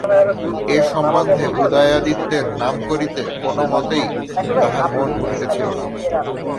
এ সম্বন্ধে উদয়াদিত্যের নাম করিতে কোনোমতেই তাহার মন উঠিতেছিল না।